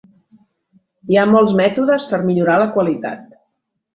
Hi ha molts mètodes per millorar la qualitat.